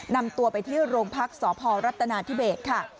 นำตัวไปที่โรงพักษพรัฐนาธิเบสค่ะ